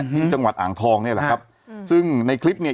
ที่จังหวัดอ่างทองเนี่ยแหละครับซึ่งในคลิปเนี่ย